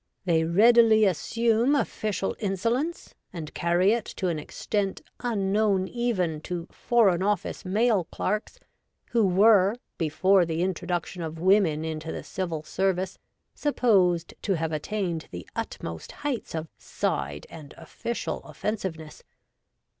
They readily assume official insolence, and carry it to an extent unknown even to Foreign Office male clerks, who were, before the introduction of women into the Civil Service, supposed to have attained the utmost heights of ' side ' and official offensiveness.